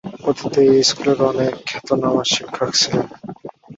অতীতে এই স্কুলের অনেক খ্যাতনামা শিক্ষক ছিলেন।